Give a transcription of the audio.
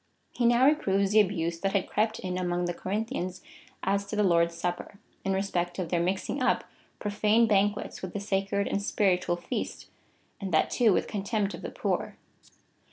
He now reproves the abuse that had crept in among the Corinthians as to the Lord's Supper, in respect of their mixing up profane banquets with the sacred and si)iritual feast, and that too with contemj)t of the poor.